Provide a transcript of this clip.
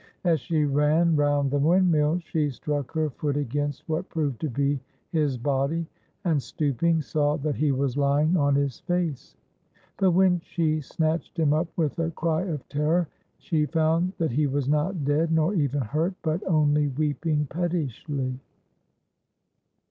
As she ran round the windmill, she struck her foot against what proved to be his body, and, stooping, saw that he was lying on his face. But when she snatched him up with a cry of terror, she found that he was not dead, nor even hurt, but only weeping pettishly.